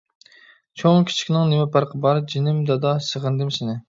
چوڭ-كىچىكنىڭ نېمە پەرقى بار؟ جېنىم دادا سېغىندىم سېنى.